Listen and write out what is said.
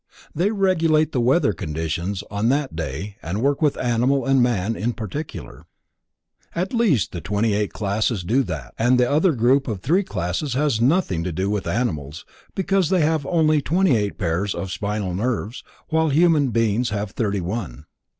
They regulate the weather conditions on that day and work with animal and man in particular. At least the twenty eight classes do that, the other group of three classes has nothing to do with animals, because they have only twenty eight pair of spinal nerves, while human beings have thirty one.